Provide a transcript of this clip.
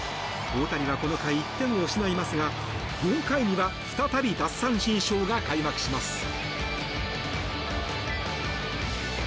大谷はこの回１点を失いますが４回には再び奪三振ショーが開幕します。